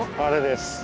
あれです。